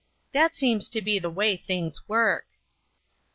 That seems to be the way things work."